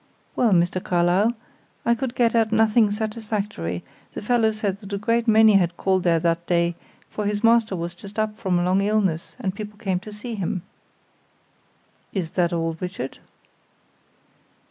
Well, Mr. Carlyle, I could get at nothing satisfactory; the fellow said that a great many had called there that day, for his master was just up from a long illness, and people came to see him." "Is that all, Richard?"